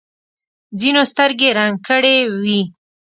ځینو سترګې رنګ کړې وي.